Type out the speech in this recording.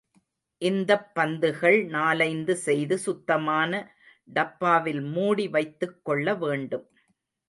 இந்தப் பந்துகள் நாலைந்து செய்து சுத்தமான டப்பாவில் மூடி வைத்துக் கொள்ள வேண்டும்.